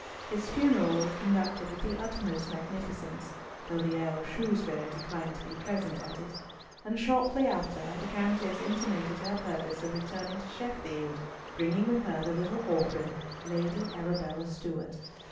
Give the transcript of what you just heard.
His funeral was conducted with the utmost magnificence, though the Earl of Shrewsbury declined to be present at it, and shortly after, the Countess intimated her purpose of returning to Sheffield, bringing with her the little orphan, Lady Arabella Stewart.